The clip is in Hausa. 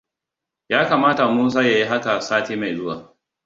Ya kamata Musa ya yi haka sati mai zuwa.